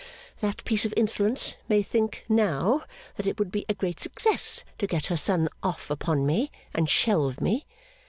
That piece of insolence may think, now, that it would be a great success to get her son off upon me, and shelve me.